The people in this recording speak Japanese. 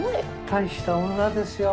大した女ですよ。